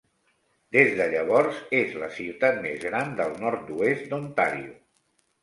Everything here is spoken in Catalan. Des de llavors, és la ciutat més gran del nord-oest d'Ontàrio.